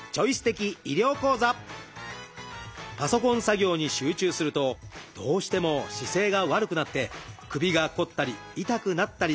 パソコン作業に集中するとどうしても姿勢が悪くなって首が凝ったり痛くなったりしますよね。